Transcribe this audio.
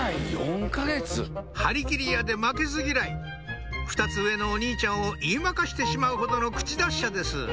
張り切り屋で負けず嫌い２つ上のお兄ちゃんを言い負かしてしまうほどの口達者です